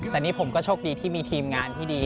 แต่นี่ผมก็โชคดีที่มีทีมงานที่ดี